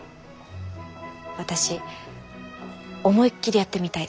私思いっきりやってみたいです。